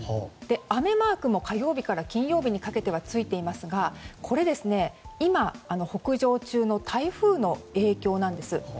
雨マークも、火曜日から金曜日にかけてはついていますがこれは今、北上中の台風の影響なんです。